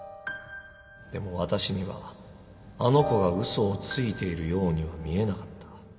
でも私にはあの子が嘘をついているようには見えなかった